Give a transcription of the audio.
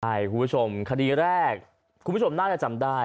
ใช่คุณผู้ชมคดีแรกคุณผู้ชมน่าจะจำได้